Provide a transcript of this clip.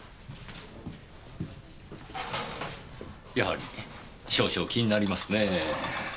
やはり少々気になりますねぇ。